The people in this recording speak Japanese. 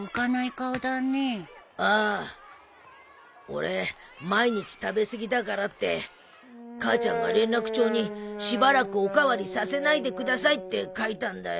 俺毎日食べ過ぎだからって母ちゃんが連絡帳に「しばらくお代わりさせないで下さい」って書いたんだよ。